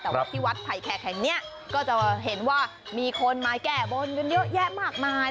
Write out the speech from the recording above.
แต่ว่าที่วัดไผ่แขกแห่งนี้ก็จะเห็นว่ามีคนมาแก้บนกันเยอะแยะมากมาย